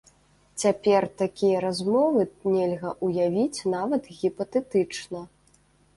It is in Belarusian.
Цяпер такія размовы нельга ўявіць нават гіпатэтычна.